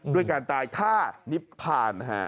ด้วยการตายท่านิพพาน